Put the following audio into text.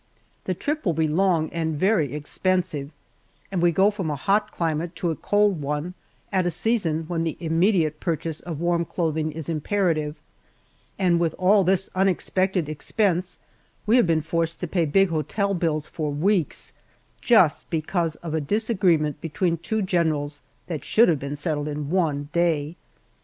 The trip will be long and very expensive, and we go from a hot climate to a cold one at a season when the immediate purchase of warm clothing is imperative, and with all this unexpected expense we have been forced to pay big hotel bills for weeks, just because of a disagreement between two generals that should have been settled in one day.